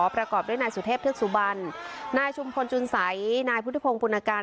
ประกอบด้วยนายสุเทพเทือกสุบันนายชุมพลจุนสัยนายพุทธิพงศ์ปุณการ